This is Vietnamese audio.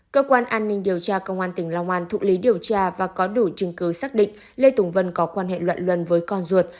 cơ quan an ninh điều tra công an tỉnh long an thụ lý điều tra và có đủ chứng cứ xác định lê tùng vân có quan hệ luận luân với con ruột